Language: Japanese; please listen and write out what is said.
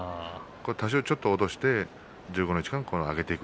多少ちょっと落として１５日間上げていく。